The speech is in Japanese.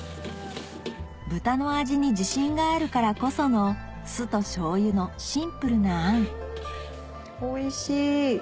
豚の味に自信があるからこその酢としょうゆのシンプルなあんおいしい。